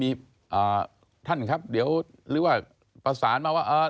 มีท่านครับเดี๋ยวรื่อว่าประสานมาว่า